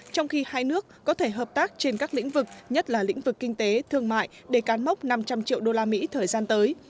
trong khi hai nước có thể hợp tác trên các lĩnh vực nhất là lĩnh vực kinh tế thương mại để cán mốc năm trăm linh triệu đô la mỹ thời gian tới